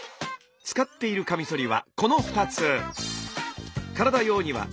使っているカミソリはこの２つ。